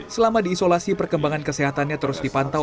selama diisolasi perkembangan kesehatannya terus dipantau